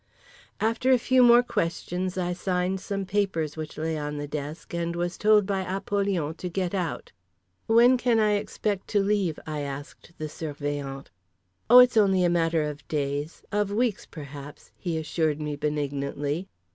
After a few more questions I signed some papers which lay on the desk, and was told by Apollyon to get out. "When can I expect to leave?" I asked the Surveillant. "Oh, it's only a matter of days, of weeks perhaps," he assured me benignantly.